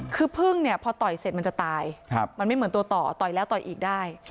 คือพึ่งเนี่ยพอต่อยเสร็จมันจะตายมันไม่เหมือนตัวต่อต่อยแล้วต่อยอีกได้